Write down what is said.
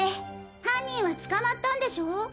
犯人は捕まったんでしょ？